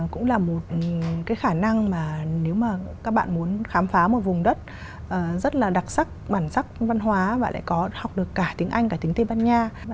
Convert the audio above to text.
cũng là một cái khả năng mà nếu mà các bạn muốn khám phá một vùng đất rất là đặc sắc bản sắc văn hóa và lại có học được cả tiếng anh cả tiếng tây ban nha